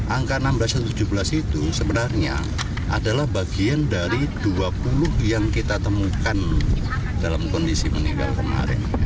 angka enam belas atau tujuh belas itu sebenarnya adalah bagian dari dua puluh yang kita temukan dalam kondisi meninggal kemarin